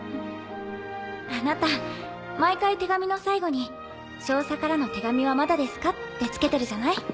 あなた毎回手紙の最後に「少佐からの手紙はまだですか？」って付けてるじゃない。